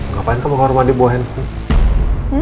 ngapain kamu ke kamar mandi buah handphone